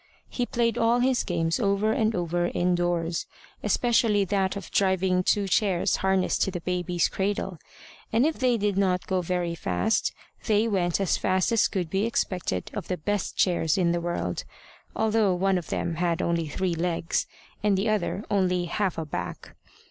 He played all his games over and over indoors, especially that of driving two chairs harnessed to the baby's cradle; and if they did not go very fast, they went as fast as could be expected of the best chairs in the world, although one of them had only three legs, and the other only half a back.